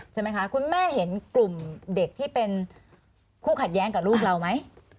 ใช่ไหมคะคุณแม่เห็นกลุ่มเด็กที่เป็นคู่ขัดแย้งกับลูกเราไหม